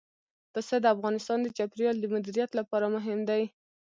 پسه د افغانستان د چاپیریال د مدیریت لپاره مهم دي.